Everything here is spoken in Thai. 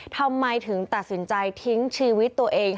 ทำไมถึงตัดสินใจทิ้งชีวิตตัวเอง